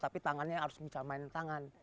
tapi tangannya harus bisa main tangan